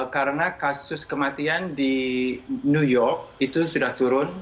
karena kasus kematian di new york itu sudah turun